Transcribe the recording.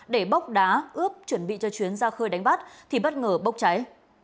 để bốc đá ướp chuẩn bị cho chuyến ra khơi đánh bắt thì bất ngờ bốc cháy